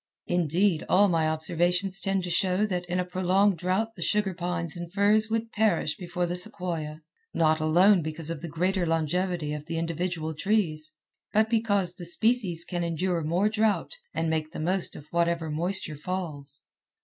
Indeed, all my observations tend to show that in a prolonged drought the sugar pines and firs would perish before the sequoia, not alone because of the greater longevity of individual trees, but because the species can endure more drought, and make the most of whatever moisture falls.